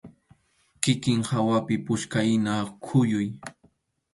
Kikin hawapi puchkahina kuyuy.